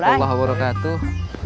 wa rasulullah wa barakatuh